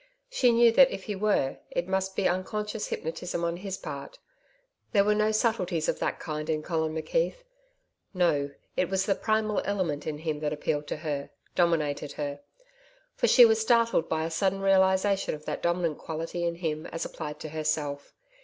She knew that if he were, it must be unconscious hypnotism on his part. There were no subtleties of that kind in Colin McKeith. No, it was the primal element in him that appealed to her, dominated her. For she was startled by a sudden realization of that dominant quality in him as applied to herself.